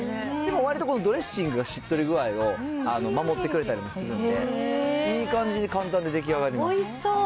でもわりとこのドレッシングがしっとり具合を守ってくれたりもするので、いい感じに簡単で出来上がりました。